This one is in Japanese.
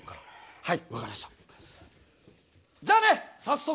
はい。